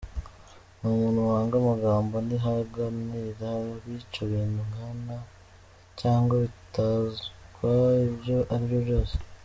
Ni umuntu wanga amagambo ; ntiyihanganira abica ibintu nkana cyangwa bitwaza ibyo ari byo byose.